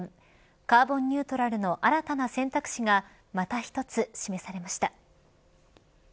カーボンニュートラルの新たな選択肢がまた１つ示されました。